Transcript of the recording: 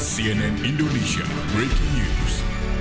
cnn indonesia breaking news